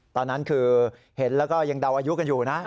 ตอนนั้นคือเห็นแล้วก็ยังเดาอายุกันอยู่นะ